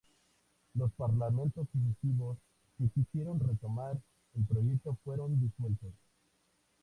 Los parlamentos sucesivos que quisieron retomar el proyecto fueron disueltos.